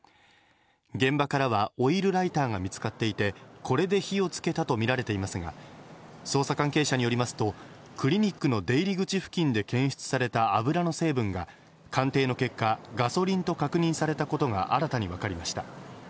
現場からはオイルライターが見つかっていて、これで火をつけたとみられていますが、捜査関係者によりますとクリニックの出入り口付近で検出された油の成分が鑑定の結果、ガソリンと確認されたことが新たに分かりました。